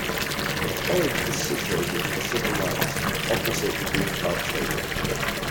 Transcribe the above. The college is situated in Civil Lines, opposite the Green Park Stadium.